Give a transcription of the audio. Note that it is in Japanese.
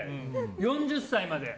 ４０歳まで。